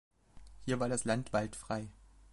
Hier war das Land waldfrei.